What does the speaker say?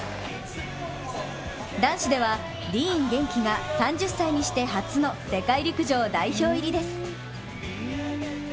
男子ではディーン元気が３０歳にして初の世界陸上代表入りです。